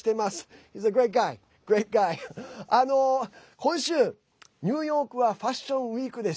今週、ニューヨークはファッションウイークです。